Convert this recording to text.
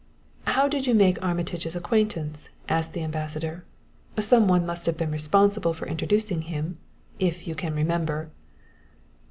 "How did you make Armitage's acquaintance?" asked the Ambassador. "Some one must have been responsible for introducing him if you can remember."